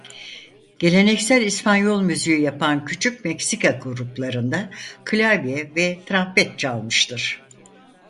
Geleneksel İspanyol müziği yapan küçük Meksika gruplarında klavye ve trampet çalmıştır.